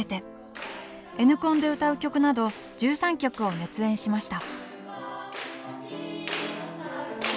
Ｎコンで歌う曲など１３曲を熱演しました。